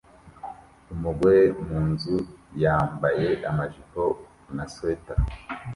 Umugore munzu yambaye amajipo na swater